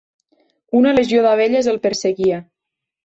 Una legió d'abelles el perseguia.